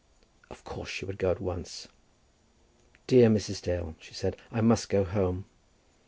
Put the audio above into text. Of course she would go at once. "Dear Mrs. Dale," she said, "I must go home.